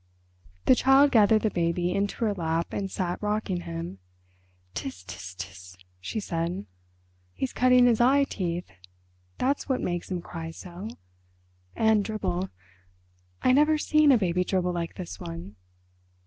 The Child gathered the baby into her lap and sat rocking him. "Ts—ts—ts," she said. "He's cutting his eye teeth, that's what makes him cry so. And dribble—I never seen a baby dribble like this one."